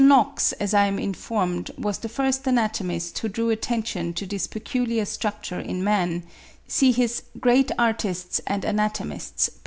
Knox, as I am informed, was the first anatomist who drew attention to this peculiar structure in man; see his 'Great Artists and Anatomists,' p.